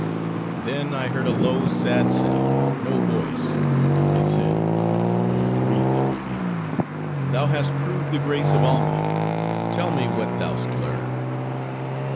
"Then, I heard a low, sad sound, no voice. It said, or breathed upon me,—'Thou hast proved the grace of Alma: tell me what thou'st learned.